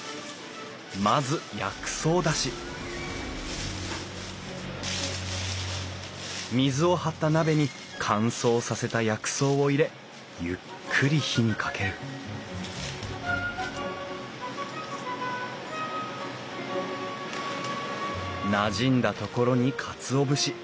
まず薬草だし水を張った鍋に乾燥させた薬草を入れゆっくり火にかけるなじんだところにカツオ節。